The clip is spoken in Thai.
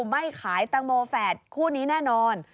ไม่ขายตังโมแฝดคู่นี้แน่นอน